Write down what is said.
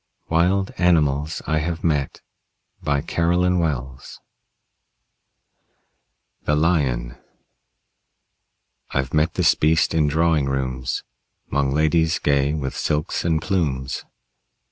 WILD ANIMALS I HAVE MET BY CAROLYN WELLS THE LION I've met this beast in drawing rooms, 'Mong ladies gay with silks and plumes.